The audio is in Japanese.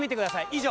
以上。